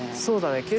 そうだね